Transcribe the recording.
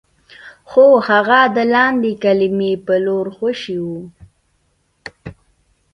خو هغه د لاندې کلي په لور خوشې و.